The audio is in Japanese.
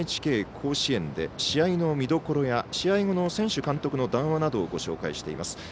「＃ＮＨＫ甲子園」で試合の見どころや試合後の選手、監督の談話などをご紹介しています。